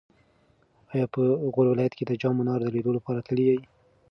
ایا په غور ولایت کې د جام منار د لیدو لپاره تللی یې؟